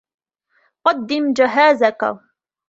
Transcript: قَدِّمْ جَهَازَك